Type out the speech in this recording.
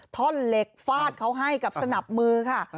ท่อนเหล็กฟาดเขาให้กับสนับมือค่ะ